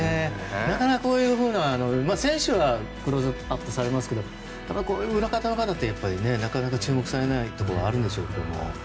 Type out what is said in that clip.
なかなかこういう選手はクローズアップされますけどこういう裏方の方ってなかなか注目されないところがあるんでしょうけど。